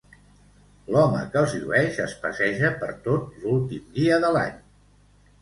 L'home que els llueix es passeja pertot l'últim dia de l'any.